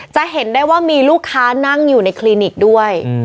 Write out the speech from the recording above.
จะเห็นได้ว่ามีลูกค้านั่งอยู่ในคลินิกด้วย